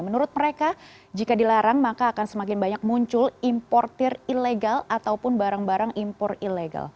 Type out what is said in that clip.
menurut mereka jika dilarang maka akan semakin banyak muncul importer ilegal ataupun barang barang impor ilegal